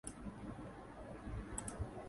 โควิดระบาดหนัก นักเรียนถูกบังคับให้เรียนออนไลน์